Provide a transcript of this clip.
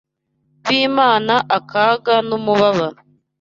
b’Imana akaga n’umubabaro